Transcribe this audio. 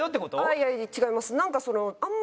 いやいや違います。